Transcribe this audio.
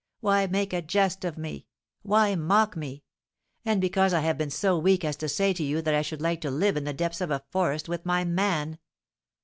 Why make a jest of me? Why mock me? And because I have been so weak as to say to you that I should like to live in the depths of a forest with my man.